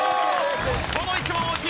この１問大きい！